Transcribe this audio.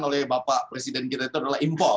oleh bapak presiden kita itu adalah impor